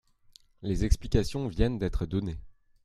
Les explications viennent d’être données.